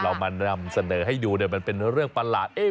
เรามานำเสนอให้ดูเนี่ยมันเป็นเรื่องประหลาด